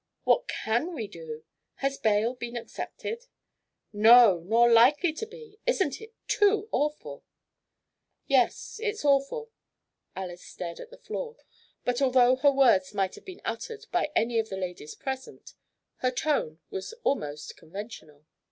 "What can we do? Has bail been accepted?" "No, nor likely to be. Isn't it too awful?" "Yes, it's awful." Alys stared at the floor, but although her words might have been uttered by any of the ladies present, her tone was almost conventional.